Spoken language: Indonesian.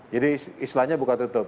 jadi istilahnya buka tutup